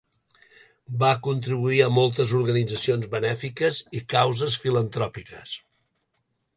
Va contribuir a moltes organitzacions benèfiques i causes filantròpiques.